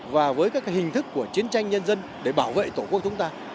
và với các hình thức của chiến tranh nhân dân để bảo vệ tổ quốc chúng ta